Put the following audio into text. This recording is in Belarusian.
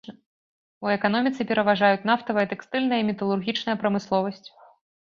У эканоміцы пераважаюць нафтавая, тэкстыльная і металургічная прамысловасць.